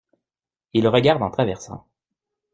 Il regarde en traversant.